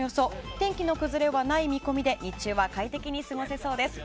天気の崩れはない見込みで日中は快適に過ごせそうです。